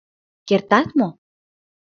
Кертат мо?